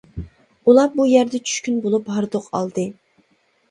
ئۇلار بۇ يەردە چۈشكۈن بولۇپ ھاردۇق ئالدى.